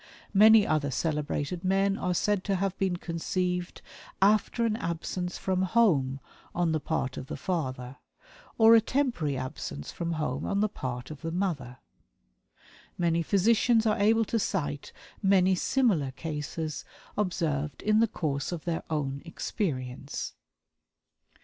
Many other celebrated men are said to have been conceived after an absence from home on the part of the father, or a temporary absence from home on the part of the mother. Many physicians are able to cite many similar cases observed in the course of their own experience.